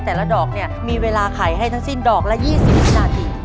แต่ละดอกเนี่ยมีเวลาไขให้ทั้งสิ้นดอกละ๒๐วินาที